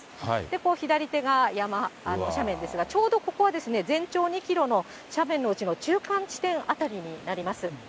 こう左手が山、斜面ですが、ちょうどここは全長２キロの斜面のうちの中間地点辺りになります。